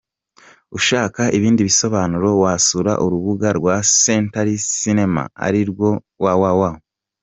Ushaka ibindi bisobanuro wasura urubuga rwa Century Cinema arirwo www.